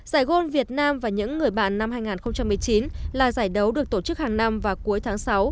giải gold việt nam và những người bạn năm hai nghìn một mươi chín là giải đấu được tổ chức hàng năm vào cuối tháng sáu